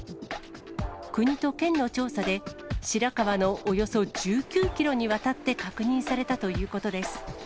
国と県の調査で、白川のおよそ１９キロにわたって確認されたということです。